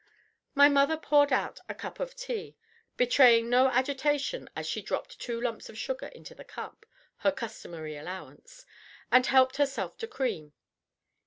My mother poured out a cup of tea, betraying no agitation as she dropped two lumps of sugar into the cup her customary allowance and helped herself to cream.